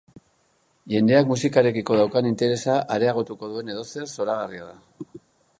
Jendeak musikarekiko daukan interesa areagtuko duen edozer zoragarria da.